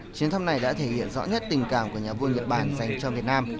chuyến thăm này đã thể hiện rõ nhất tình cảm của nhà vua nhật bản dành cho việt nam